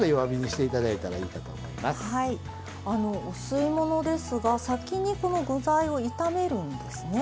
あのお吸い物ですが先にこの具材を炒めるんですね。